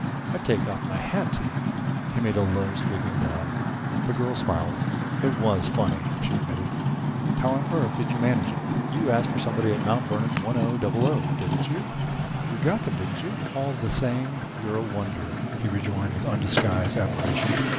I take off my hat to you." He made a low sweeping bow. The girl smiled. "It was funny," she admitted. "How on earth did you manage it?" "You asked for somebody at 'Mount Vernon one o double o', didn't you? You got them, didn't you?" "All the same, you're a wonder!" he rejoined, with undisguised admiration.